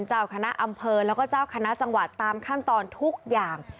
เจ้าคณะอำเภอแล้วก็เจ้าคณะจังหวัดตามขั้นตอนทุกอย่าง